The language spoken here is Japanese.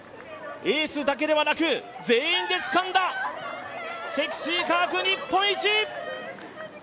エースだけではなく全員でつかんだ積水化学、日本一。